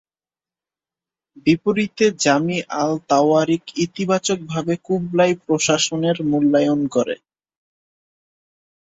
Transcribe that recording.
বিপরীতে, জামি আল-তওয়ারিক ইতিবাচকভাবে কুবলাই প্রশাসনের মূল্যায়ন করে।